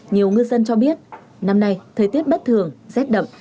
nhiều ngư dân cho biết năm nay thời tiết bất thường rét đậm